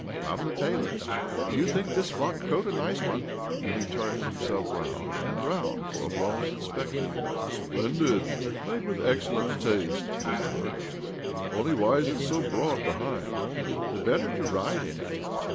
" "From the tailor's. Do you think this frock coat a nice one?" And he turned himself round arid round for Oblomov's inspection. " Splendid ! Made with excellent taste !" was the verdict. " Only why is it so broad behind?" "The better to ride in it.